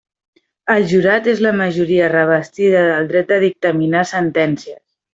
El jurat és la majoria revestida del dret de dictaminar sentències.